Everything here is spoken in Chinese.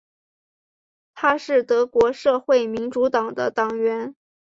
他是德国社会民主党的党员。